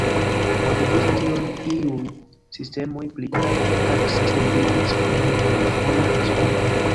Por eviti tion, iuj sistemoj pli alte taksas nenian respondon ol malbonan respondon.